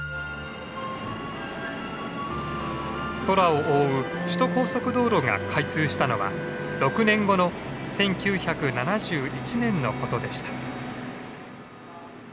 空を覆う首都高速道路が開通したのは６年後の１９７１年のことでした。